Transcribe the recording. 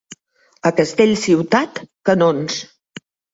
A Castellciutat, canons.